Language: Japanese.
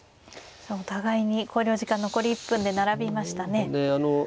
お互いに考慮時間残り１分で並びましたね。